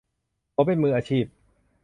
สมเป็นมืออาชีพ